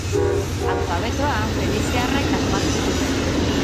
Alfabetoa feniziarrek asmatu zuten.